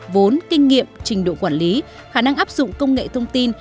vốn kinh nghiệm trình độ quản lý khả năng áp dụng công nghệ thông tin